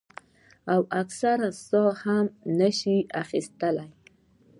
او اکثر ساه هم نشي اخستے ـ